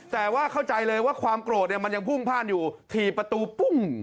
แต่ว่าเข้าใจเลยว่าความโกรธเนี่ยมันยังพุ่งพ่านอยู่ถี่ประตูปุ้ง